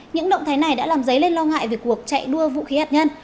những động thái này đã làm dấy lên lo ngại về cuộc chạy đua vũ khí hạt nhân